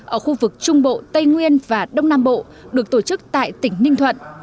ở khu vực trung bộ tây nguyên và đông nam bộ được tổ chức tại tỉnh ninh thuận